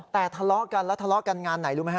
แต่ทะเลาะกันแล้วทะเลาะกันงานไหนรู้ไหมฮ